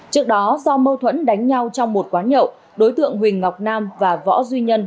trước đó do mâu thuẫn đánh nhau trong một quán nhậu đối tượng huỳnh ngọc nam và võ duy nhân